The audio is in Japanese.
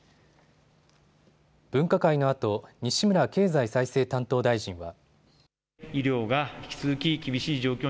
分科会のあと西村経済再生担当大臣は。